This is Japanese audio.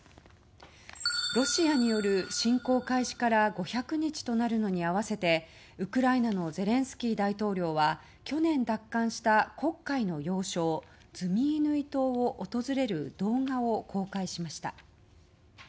ロシアによる侵攻開始から５００日となるのに合わせてウクライナのゼレンスキー大統領は去年、奪還した黒海の要衝ズミイヌイ島を訪れる動画を公開しました。